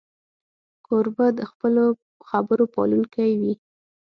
کوربه د خپلو خبرو پالونکی وي.